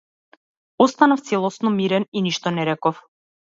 Останав целосно мирен и ништо не реков.